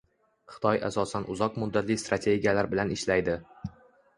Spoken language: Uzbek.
Xitoy asosan uzoq muddatli strategiyalar bilan ishlaydi.